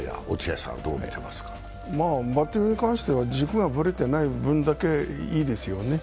バッティングに関しては、軸がぶれてないだけいいですよね。